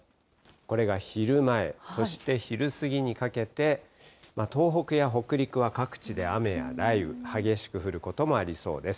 これが昼前、そして昼過ぎにかけて、東北や北陸は各地で雨や雷雨、激しく降ることもありそうです。